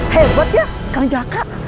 hebat ya kang jaka